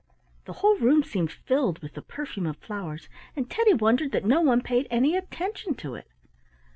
The whole room seemed filled with the perfume of flowers, and Teddy wondered that no one paid any attention to it.